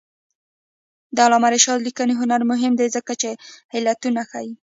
د علامه رشاد لیکنی هنر مهم دی ځکه چې علتونه ښيي.